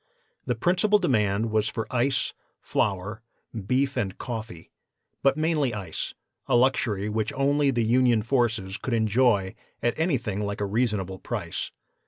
The principal demand was for ice, flour, beef and coffee, but mainly ice, a luxury which only the Union forces could enjoy at anything like a reasonable price.